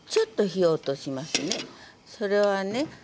それはね